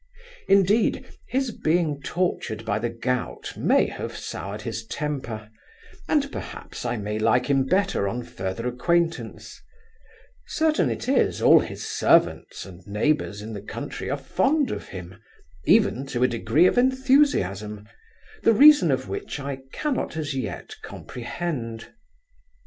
Indeed his being tortured by the gout may have soured his temper, and, perhaps, I may like him better on further acquaintance; certain it is, all his servants and neighbours in the country are fond of him, even to a degree of enthusiasm, the reason of which I cannot as yet comprehend.